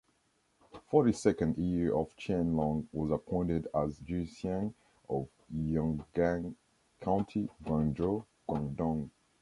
Forty-second year of Qianlong, was appointed as Zhixian of Yongan County, Guangzhou, Guangdong.